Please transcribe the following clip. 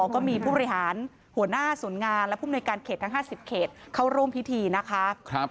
ก็มีผู้บริหารหัวหน้าศูนย์งานและผู้มนุยการเขตทั้ง๕๐เขตเข้าร่วมพิธีนะคะ